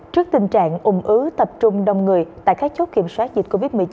trước tình trạng ung ứ tập trung đông người tại các chốt kiểm soát dịch covid một mươi chín